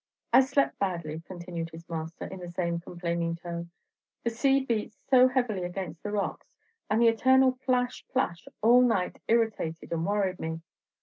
"I slept badly," continued his master, in the same complaining tone. "The sea beat so heavily against the rocks, and the eternal plash, plash, all night irritated and worried me.